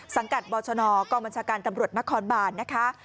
สังกัดบชนกองบัญชาการตำรวจนครบานนะคะ